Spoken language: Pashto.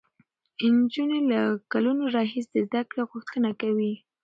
نجونې له کلونو راهیسې د زده کړې غوښتنه کوي.